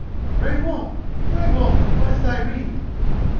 "_Grey Wolf, Grey Wolf! what is thy rede?